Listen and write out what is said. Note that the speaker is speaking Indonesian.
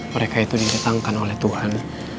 mereka itu didatangkan oleh tuhan